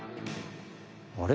あれ？